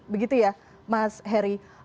begitu ya mas heri